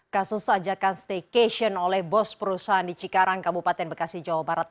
kasus sajakan staycation oleh bos perusahaan di cikarang kabupaten bekasi jawa barat